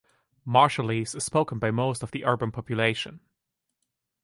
Marshallese is spoken by most of the urban population.